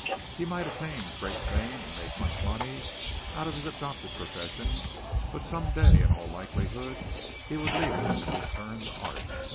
He might attain great fame and make much money out of his adopted profession, but some day in all likelihood he would leave it and return to art.